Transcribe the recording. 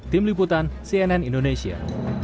tim liputan cnn indonesia